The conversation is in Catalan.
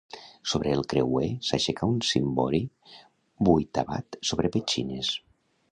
Sobre el creuer s'aixeca un cimbori vuitavat sobre petxines.